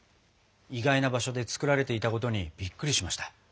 意外な場所で作られていたことにびっくりしました。